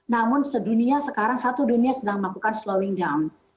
namun sedunia sekarang satu dunia sedang melakukan slowing down